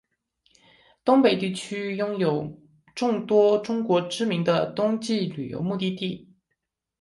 东北地区拥有众多中国知名的冬季旅游目的地。